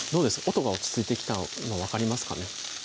音が落ち着いてきたの今分かりますかね？